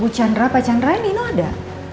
bu jandra pak jandra nino ada